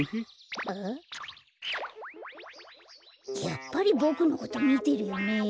やっぱりボクのことみてるよねえ？